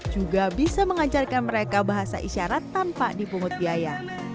juga bisa mengajarkan mereka bahasa isyarat tanpa dipungut biaya